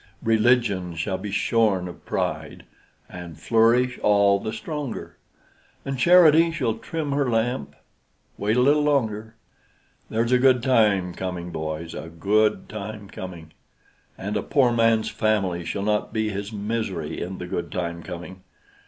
Religion shall be shorn of pride, And flourish all the stronger; And Charity shall trim her lamp; Wait a little longer. There's a good time coming, boys, A good time coming: And a poor man's family Shall not be his misery In the good time coming.